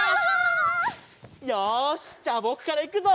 よしじゃぼくからいくぞ！